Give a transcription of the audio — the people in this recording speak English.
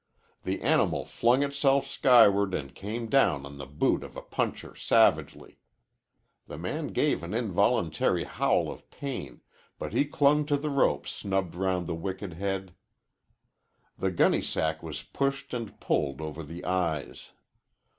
The animal flung itself skyward and came down on the boot of a puncher savagely. The man gave an involuntary howl of pain, but he clung to the rope snubbed round the wicked head. The gunny sack was pushed and pulled over the eyes.